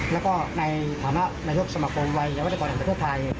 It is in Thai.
แล้วก็ในฐานะนัยศุษย์สมโคมวัยยาวัตกรรมอันตรีธุทธรรมไทย